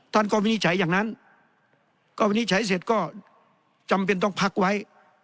ท่านก็วินิจฉัยอย่างนั้นก็วินิจฉัยเสร็จก็จำเป็นต้องพักไว้